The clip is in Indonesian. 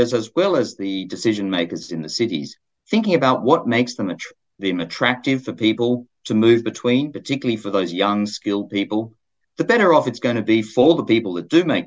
namun seiring bertambahnya populasi kita tidak akan berpikir pikir untuk berpindah ke melbourne